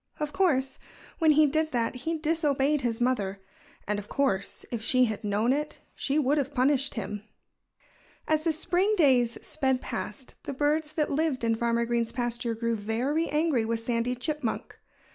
Of course, when he did that he disobeyed his mother. And of course, if she had known it she would have punished him. As the spring days sped past, the birds that lived in Farmer Green's pasture grew very angry with Sandy Chipmunk.